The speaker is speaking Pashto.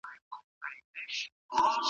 د دورکهایم لاره روښانه وه.